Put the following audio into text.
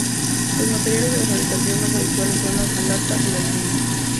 Los materiales de fabricación más habituales son la hojalata y el aluminio.